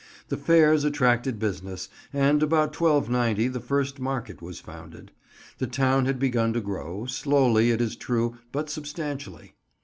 The fairs attracted business, and about 1290 the first market was founded. The town had begun to grow, slowly, it is true, but substantially.